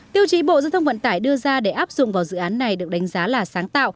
tiêu chí bộ giao thông vận tải đưa ra để áp dụng vào dự án này được đánh giá là sáng tạo